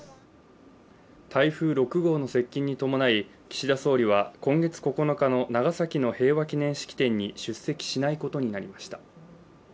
台風６号の接近に伴い岸田総理は今月９日の長崎の平和祈念式典に出席しないことになりました。